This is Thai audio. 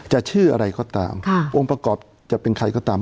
ชื่ออะไรก็ตามองค์ประกอบจะเป็นใครก็ตาม